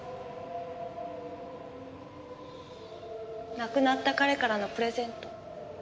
亡くなった彼からのプレゼント。